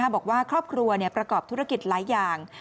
บอกว่าครอบครัวประกอบธุรกิจหลายอย่าง